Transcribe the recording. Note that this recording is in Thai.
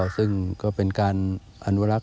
ซึ่งก็เป็นการอนุรักษ